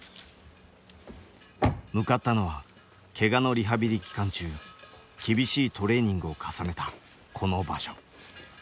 向かったのはけがのリハビリ期間中厳しいトレーニングを重ねたこの場所。